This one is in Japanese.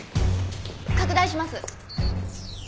拡大します。